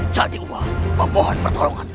jadi aku memohon pertolongan